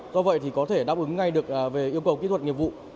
do vậy thì có thể đáp ứng ngay được về yêu cầu kỹ thuật nghiệp vụ